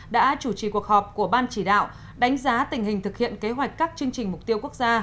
đã chủ trì cuộc họp của ban chỉ đạo đánh giá tình hình thực hiện kế hoạch các chương trình mục tiêu quốc gia